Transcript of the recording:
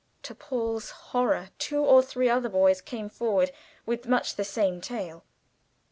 To Paul's horror two or three other boys came forward with much the same tale.